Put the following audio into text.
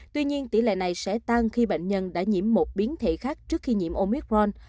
tuy nhiên tỷ lệ này sẽ tăng khi bệnh nhân đã nhiễm một biến thể khác trước khi nhiễm omicron